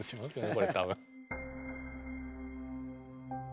これ多分。